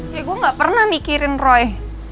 ya gue gak pernah mikirin roy